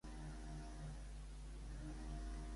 Si els volen expulsar, ell els podrà protegir?